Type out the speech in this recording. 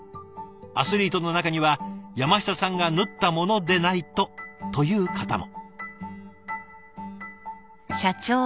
アスリートの中には「山下さんが縫ったものでないと」という方も。